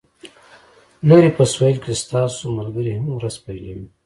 لرې په سویل کې ستاسو ملګري هم ورځ پیلوي